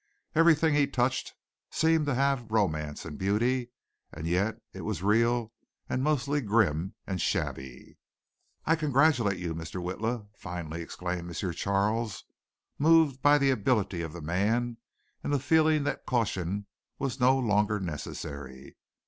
Everything he touched seemed to have romance and beauty, and yet it was real and mostly grim and shabby. "I congratulate you, Mr. Witla," finally exclaimed M. Charles, moved by the ability of the man and feeling that caution was no longer necessary.